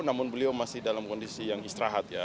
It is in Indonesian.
namun beliau masih dalam kondisi yang istirahat ya